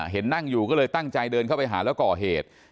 เห็นนั่งอยู่ก็เลยตั้งใจเดินเข้าไปหาแล้วก่อเหตุ